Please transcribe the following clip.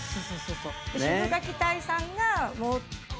シブがき隊さんが。